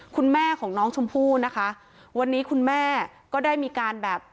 คุณแม่ของน้องชมพู่นะคะวันนี้คุณแม่ก็ได้มีการแบบ